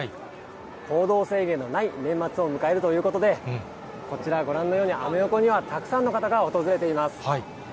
行動制限のない年末を迎えるということで、こちら、ご覧のようにアメ横にはたくさんの方が訪れています。